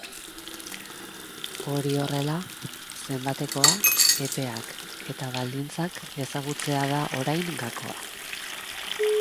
Hori horrela, zenbatekoa, epeak eta baldintzak ezagutzea da orain gakoa.